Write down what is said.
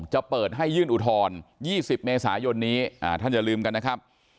จะเปิดให้ยื่นอุทธรณ์๒๐เมษายนนี้ท่านอย่าลืมกันนะครับ